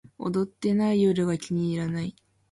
踊ってない夜が気に入らない